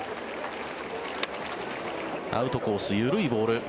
アウトコース、緩いボール。